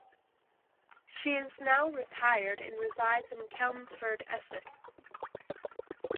She is now retired and resides in Chelmsford, Essex.